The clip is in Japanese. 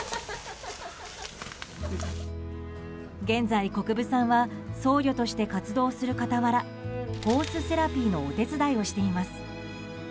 現在、国分さんは僧侶として活動する傍らホースセラピーのお手伝いをしています。